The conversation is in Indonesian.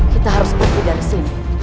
kita harus pergi dari sini